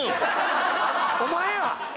お前や！